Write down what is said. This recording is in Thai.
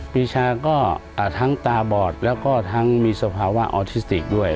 ปีชาก็ทั้งตาบอดแล้วก็ทั้งมีสภาวะออทิสติกด้วย